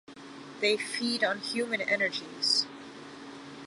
They feed on human energies.